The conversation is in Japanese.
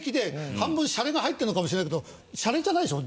半分シャレが入ってるのかもしれないけどシャレじゃないでしょ？